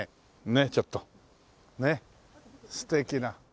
ねっちょっとねえ素敵な。